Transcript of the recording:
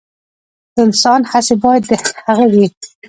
د انسان هڅې باید د هغه وي.